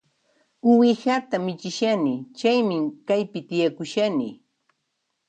Uwihata michishani, chaymi kaypi tiyakushani